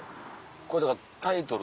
これだからタイトル